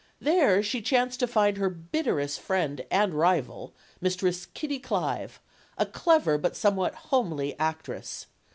There she chanced to find her bitterest friend and rival, Mistress Kitty Clive, a clever but somewhat homely actress.